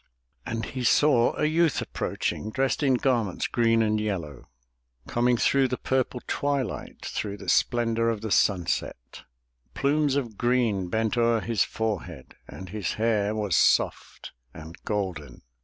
And he saw a youth approaching. Dressed in garments green and yellow, 382 THE TREASURE CHEST Coming through the purple twilight, Through the splendor of the sunset; Plumes of green bent o'er his forehead. And his hair was soft and golden.